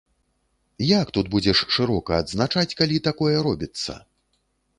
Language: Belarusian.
Як тут будзеш шырока адзначаць, калі такое робіцца?